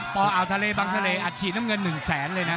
อ่าวทะเลบังทะเลอัดฉีดน้ำเงิน๑แสนเลยนะ